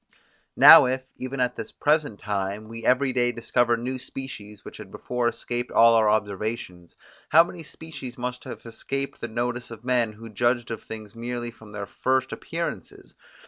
Now if, even at this present time, we every day discover new species, which had before escaped all our observations, how many species must have escaped the notice of men, who judged of things merely from their first appearances!